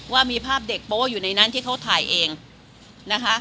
ว่ามีภาพเด็กโป๊ะอยู่ในนั้นที่เขาถ่ายเองนะคะ